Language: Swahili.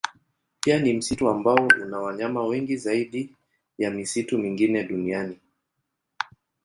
Pia ni msitu ambao una wanyama wengi zaidi ya misitu mingine duniani.